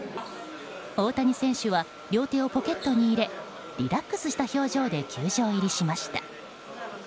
大谷選手は両手をポケットに入れリラックスした表情で球場入りしました。